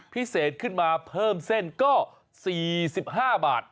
พิเศษขึ้นมาเพิ่มเส้นก็๔๕บาท